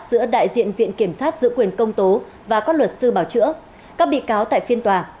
giữa đại diện viện kiểm sát giữ quyền công tố và các luật sư bảo chữa các bị cáo tại phiên tòa